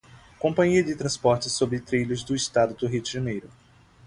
Companhia de Transportes Sobre Trilhos do Estado do Rio de Janeiro